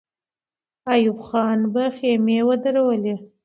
ایوب خان به خېمې ودرولي.